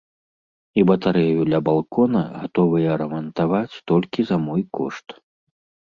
І батарэю ля балкона гатовыя рамантаваць толькі за мой кошт.